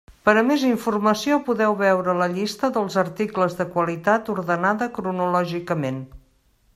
Per a més informació podeu veure la llista dels articles de qualitat ordenada cronològicament.